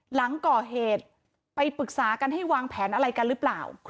หลังก่อเหตุไปปรึกษากันให้วางแผนอะไรกันหรือเปล่า